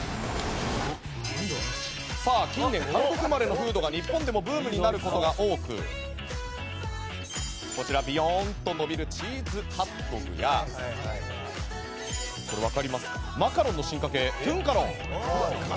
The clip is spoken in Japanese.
近年、韓国生まれのフードが日本でもブームになることが多くびよーんと伸びるチーズハットグやマカロンの進化形トゥンカロン。